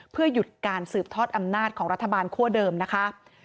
เพื่อหยุดการสืบทอดอำนาจของรัฐบาลคั่วเดิมนะคะ